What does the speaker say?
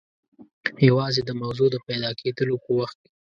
یوازې د موضوع د پیدا کېدلو په وخت کې.